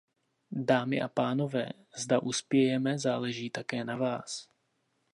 Dámy a pánové, zda uspějeme, záleží také na vás.